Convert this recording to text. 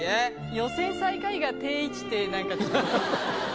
予選最下位が定位置ってなんかちょっと。